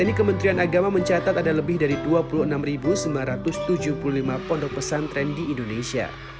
kini kementerian agama mencatat ada lebih dari dua puluh enam sembilan ratus tujuh puluh lima pondok pesantren di indonesia